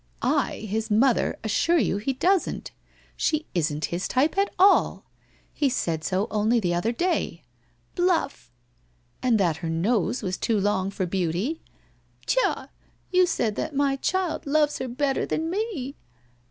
' I, his mother, assure you he doesn't. She isn't his type at all. He said so only the other day.' < Bluff !' 1 And that her nose was too long for beauty.' 1 Tcha ! You say that my child loves her better than me.'